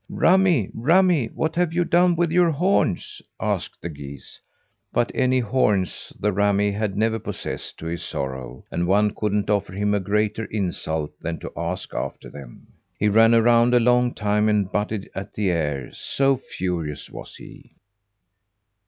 "Rammie, rammie, what have you done with your horns?" asked the geese. But any horns the rammie had never possessed, to his sorrow, and one couldn't offer him a greater insult than to ask after them. He ran around a long time, and butted at the air, so furious was he.